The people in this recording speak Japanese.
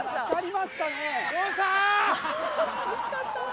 惜しかった。